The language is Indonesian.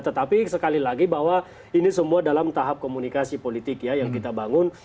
tetapi sekali lagi bahwa ini semua dalam tahap komunikasi politik ya yang kita bangun